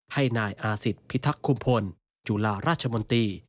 ให้นายอาศิษฐพิทักษ์คุมพลจุฬาราชมนตรี